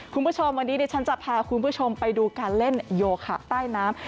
คุณผู้ชมวันนี้ดิฉันจะพาคุณผู้ชมไปดูการเล่นโยคะใต้น้ำ